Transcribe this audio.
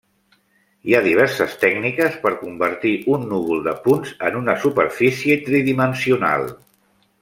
Hi ha diverses tècniques per convertir un núvol de punts en una superfície tridimensional.